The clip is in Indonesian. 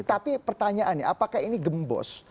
tapi pertanyaannya apakah ini gembos